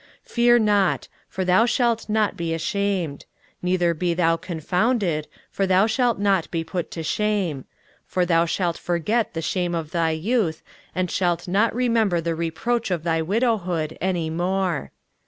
23:054:004 Fear not; for thou shalt not be ashamed: neither be thou confounded; for thou shalt not be put to shame: for thou shalt forget the shame of thy youth, and shalt not remember the reproach of thy widowhood any more.